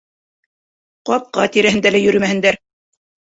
Ҡапҡа тирәһендә лә йөрөмәһендәр.